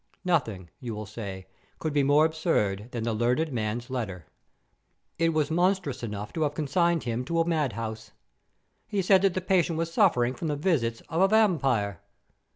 "Nothing, you will say, could be more absurd than the learned man's letter. It was monstrous enough to have consigned him to a madhouse. He said that the patient was suffering from the visits of a vampire!